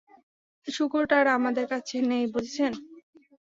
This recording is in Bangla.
শূকরটা আর আমাদের কাছে নেই, বুঝেছেন?